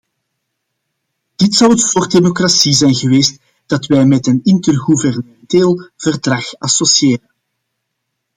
Dit zou het soort democratie zijn geweest dat wij met een intergouvernementeel verdrag associëren.